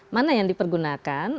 mana yang dipergunakan